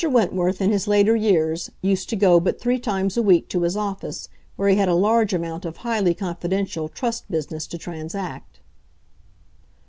Wentworth, in his later years, used to go but three times a week to his office, where he had a large amount of highly confidential trust business to transact.)